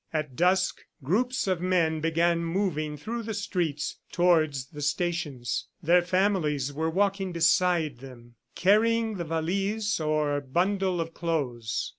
At dusk, groups of men began moving through the streets towards the stations. Their families were walking beside them, carrying the valise or bundle of clothes.